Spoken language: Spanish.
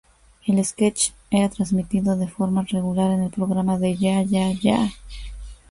El sketch era transmitido de forma regular en el programa de Ya-Ya-Yah.